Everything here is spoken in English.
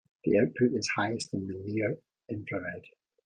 The output is highest in the near infrared.